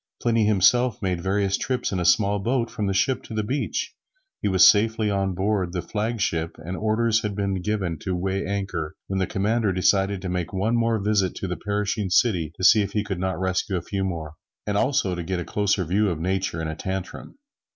Pliny himself made various trips in a small boat from the ship to the beach. He was safely on board the flag ship, and orders had been given to weigh anchor, when the commander decided to make one more visit to the perishing city to see if he could not rescue a few more, and also to get a closer view of Nature in a tantrum.